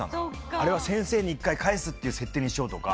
あれは先生に１回返すっていう設定にしようとか。